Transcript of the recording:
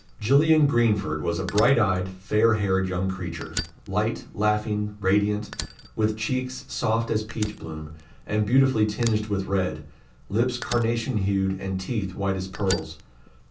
Gillian Greenford was a bright eyed, fair haired young creature; light, laughing, radiant; with cheeks soft as peach bloom, and beautifully tinged with red, lips carnation hued, and teeth white as pearls.